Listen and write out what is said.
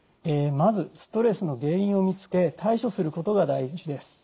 まずストレスの原因を見つけ対処することが第一です。